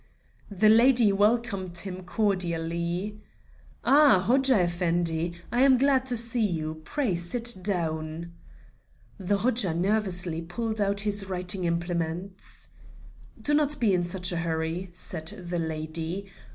The lady welcomed him cordially. "Ah! Hodja Effendi, I am glad to see you; pray sit down." The Hodja nervously pulled out his writing implements. "Do not be in such a hurry," said the lady.